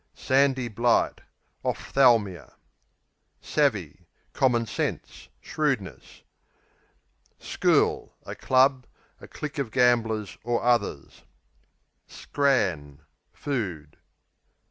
Sandy blight Ophthalmia. Savvy Common sense; shrewdness. School A club; a clique of gamblers, or others. Scran Food.